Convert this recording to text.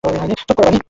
চুপ করো, বানি!